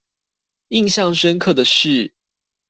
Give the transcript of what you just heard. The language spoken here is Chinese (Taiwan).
印象深刻的是